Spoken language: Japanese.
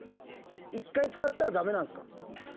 １回使ったらだめなんですか？